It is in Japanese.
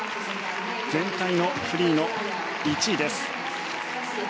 全体のフリーの１位です。